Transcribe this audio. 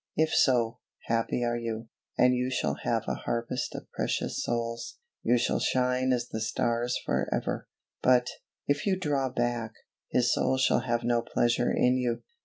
_ If so, happy are you, and you shall have a harvest of precious souls; you shall shine as the stars forever; but, if you draw back, His soul shall have no pleasure in you.